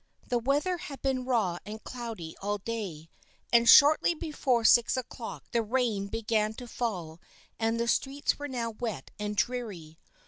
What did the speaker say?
The weather had been raw and cloudy all day, and shortly before six o'clock the rain began to fall and the streets were now wet and dreary.